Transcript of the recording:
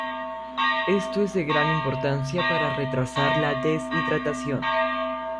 Esto es de gran importancia para retrasar la deshidratación.